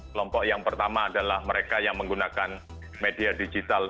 kelompok yang pertama adalah mereka yang menggunakan media digital